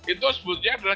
itu sebutnya adalah